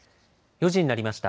４時になりました。